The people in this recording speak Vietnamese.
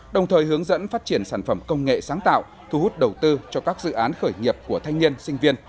đồng thời hướng dẫn phát triển sản phẩm công nghệ sáng tạo thu hút đầu tư cho các dự án khởi nghiệp của thanh niên sinh viên